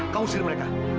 kamu usir mereka